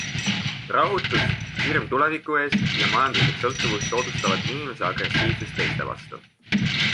Rahutus, hirm tuleviku ees ja majanduslik sõltuvus soodustavad inimese agressiivsust teiste vastu.